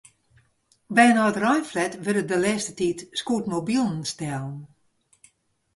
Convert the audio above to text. By in âldereinflat wurde de lêste tiid scootmobilen stellen.